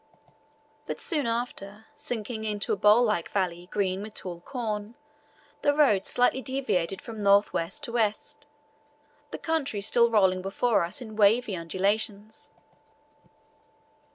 But soon after sinking into a bowl like valley, green with tall corn, the road slightly deviated from north west to west, the country still rolling before us in wavy undulations.